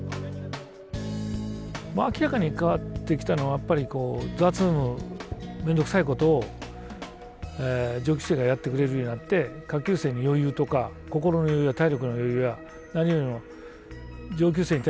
明らかに変わってきたのは雑務面倒くさいことを上級生がやってくれるようになって下級生に余裕とか心の余裕や体力の余裕や何よりも上級生に対する親しみをね